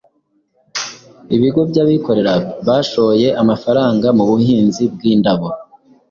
Ibigo by’abikorera bashoye amafaranga mu buhinzi bw’indabo